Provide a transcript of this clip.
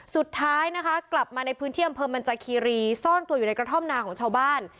สุดท้ายนะคะกลับมาในพื้นที่อำเภอมันจาคีรีซ่อนตัวอยู่ในกระท่อมนาของชาวบ้าน